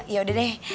ya udah deh